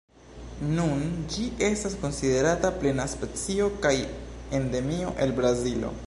Nun ĝi estas konsiderata plena specio kaj endemio el Brazilo.